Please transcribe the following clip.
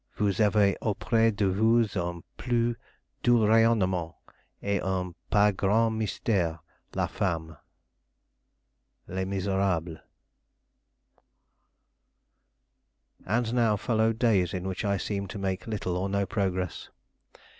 Vous avez aupres de vous un plus doux rayonnement et un pas grand mystere, la femme." Les Miserables. And now followed days in which I seemed to make little or no progress.